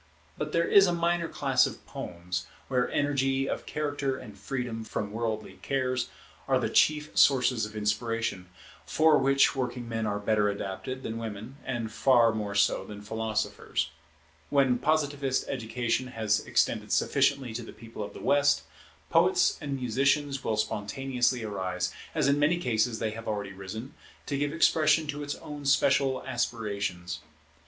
But there is a minor class of poems, where energy of character and freedom from worldly cares are the chief sources of inspiration, for which working men are better adapted than women, and far more so than philosophers. When Positivist education has extended sufficiently to the People of the West, poets and musicians will spontaneously arise, as in many cases they have already risen, to give expression to its own special aspirations.